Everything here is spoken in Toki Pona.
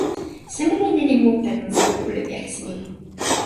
seme li lili mute lon selo kule pi akesi ni?